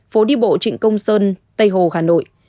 phố đi bộ trịnh công sơn tây hồ hà nội